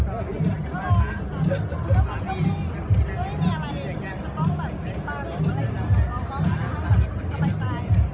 ก็ได้เป็นแบบของที่จะดีกว่าที่เราอยากได้ทำไมเรามากิน